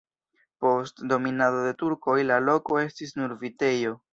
Post dominado de turkoj la loko estis nur vitejo.